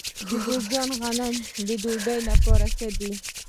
د جوزجان غنم د ډوډۍ لپاره ښه دي.